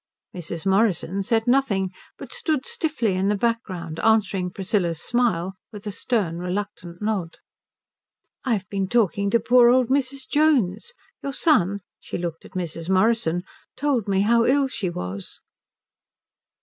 Mrs. Morrison said nothing but stood stiffly in the background, answering Priscilla's smile with a stern, reluctant nod. "I've been talking to poor old Mrs. Jones. Your son" she looked at Mrs. Morrison "told me how ill she was."